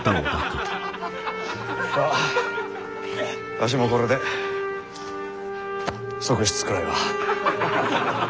わしもこれで側室くらいは。